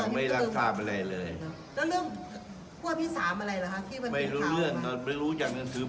ก็คือแปลว่าในส่วนนี้ในส่วนของงานที่จัดตั้งรัฐบาล